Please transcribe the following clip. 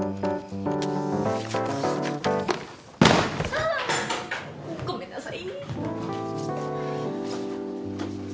ああっごめんなさい。